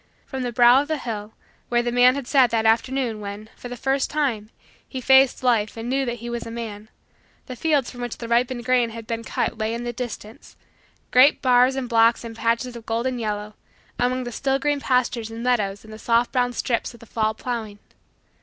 From the brow of the hill, where the man had sat that afternoon when, for the first time, he faced Life and knew that he was a man, the fields from which the ripened grain had been cut lay in the distance, great bars and blocks and patches of golden yellow, among the still green pastures and meadows and the soft brown strips of the fall plowing.